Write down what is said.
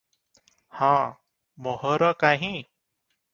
ହଁ ମୋହର କାହିଁ?